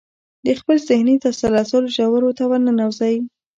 د خپل ذهني تسلسل ژورو ته ورننوځئ.